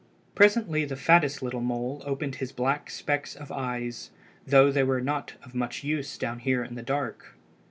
Presently the fattest little mole opened his black specks of eyes, though they were not of much use down there in the dark.